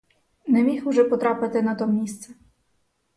Не міг уже потрапити на то місце.